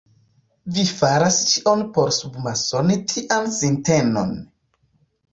Vi faras ĉion por submasoni tian sintenon.